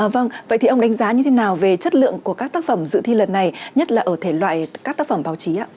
vâng vậy thì ông đánh giá như thế nào về chất lượng của các tác phẩm dự thi lần này nhất là ở thể loại các tác phẩm báo chí ạ